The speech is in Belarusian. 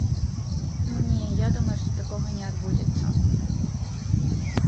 Не, я думаю, што такога не адбудзецца.